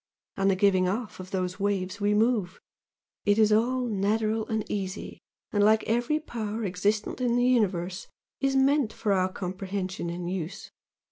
On the 'giving off' of those waves we move it is all natural and easy, and, like every power existent in the universe, is meant for our comprehension and use.